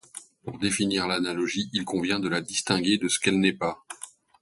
Pour définir l'analogie il convient de la distinguer de ce qu'elle n'est pas.